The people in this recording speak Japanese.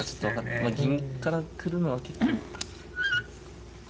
まあ銀から来るのは結構なんですか。